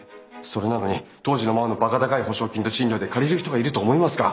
それなのに当時のままのバカ高い保証金と賃料で借りる人がいると思いますか？